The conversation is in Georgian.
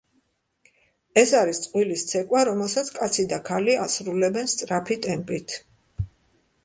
ეს არის წყვილის ცეკვა, რომელსაც კაცი და ქალი ასრულებენ სწრაფი ტემპით.